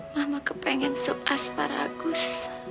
mama kepengen sup asparagus